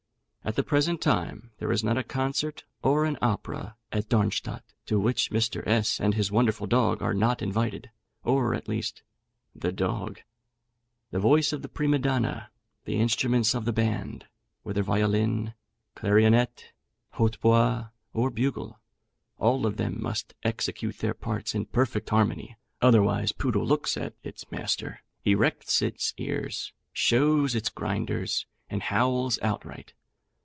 At the present time, there is not a concert or an opera at Darmstadt to which Mr. S and his wonderful dog are not invited; or, at least, the dog. The voice of the prima donna, the instruments of the band whether violin, clarionet, hautbois, or bugle all of them must execute their parts in perfect harmony, otherwise Poodle looks at its master, erects its ears, shows its grinders, and howls outright.